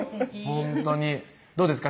ほんとにどうですか？